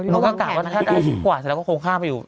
แล้วก็กล่าวว่าถ้าได้อีกกว่าเสร็จแล้วก็คงข้ามไปอยู่